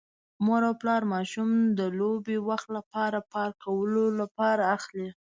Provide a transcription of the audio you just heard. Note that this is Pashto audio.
مور او پلار ماشوم د لوبې وخت لپاره پارک کولو لپاره اخلي.